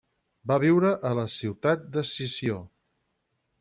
Va viure a la ciutat de Sició.